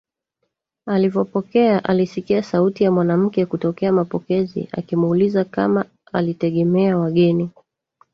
Alivopokea alisikia sauti ya mwanamke kutokea mapokezi akimuuliza kama alitegemea wageni